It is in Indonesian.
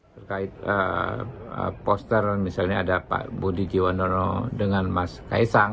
terkait poster misalnya ada pak budi jiwa dengan mas kaisang